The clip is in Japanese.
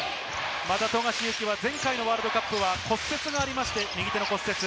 富樫勇樹は前回のワールドカップは骨折がありまして、右手の骨折。